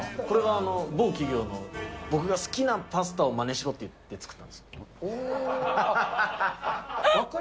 これは某企業の、僕が好きなパスタをまねしろって言って作ったんですよ。